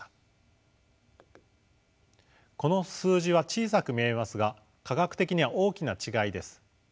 この数字は小さく見えますが科学的には大きな違いです。